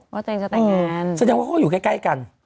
ว่าจะแต่งงานแสดงว่าก็อยู่ใกล้กัน